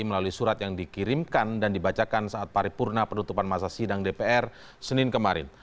melalui surat yang dikirimkan dan dibacakan saat paripurna penutupan masa sidang dpr senin kemarin